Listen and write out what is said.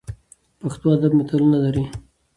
پښتو ادب متلونه لري